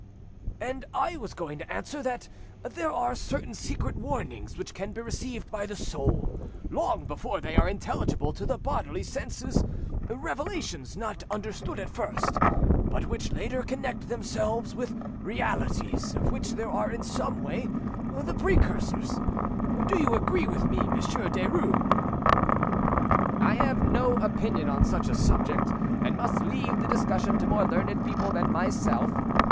"And I was going to answer that there are certain secret warnings which can be received by the soul long before they are intelligible to the bodily senses revelations not understood at first, but which later connect themselves with realities of which they are in some way the precursors. Do you agree with me, Monsieur Derues?" "I have no opinion on such a subject, and must leave the discussion to more learned people than myself.